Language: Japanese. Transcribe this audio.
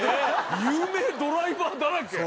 有名ドライバーだらけ。